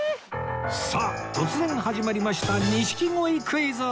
さあ突然始まりました錦鯉クイズ！